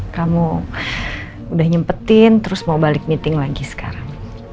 kamu udah nyempetin terus mau balik meeting lagi sekarang